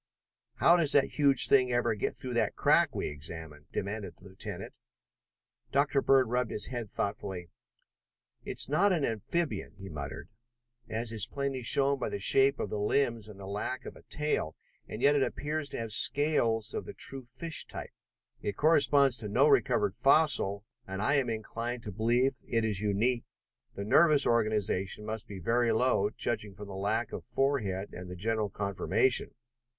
"How does that huge thing ever get through that crack we examined?" demanded the lieutenant. Dr. Bird rubbed his head thoughtfully. "It's not an amphibian," he muttered, "as is plainly shown by the shape of the limbs and the lack of a tail, and yet it appears to have scales of the true fish type. It corresponds to no recovered fossil, and I am inclined to believe it is unique. The nervous organisation must be very low, judging from the lack of forehead and the general conformation.